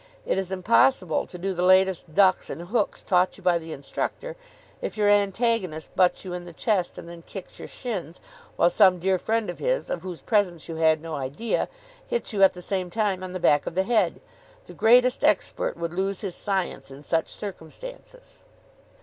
It is impossible to do the latest ducks and hooks taught you by the instructor if your antagonist butts you in the chest, and then kicks your shins, while some dear friend of his, of whose presence you had no idea, hits you at the same time on the back of the head. The greatest expert would lose his science in such circumstances.